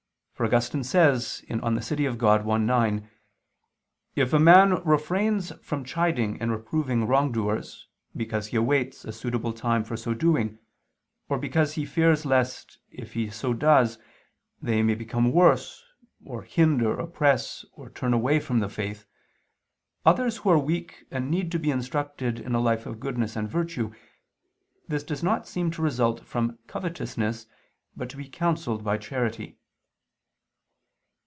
For Augustine says (De Civ. Dei i, 9): "If a man refrains from chiding and reproving wrongdoers, because he awaits a suitable time for so doing, or because he fears lest, if he does so, they may become worse, or hinder, oppress, or turn away from the faith, others who are weak and need to be instructed in a life of goodness and virtue, this does not seem to result from covetousness, but to be counselled by charity."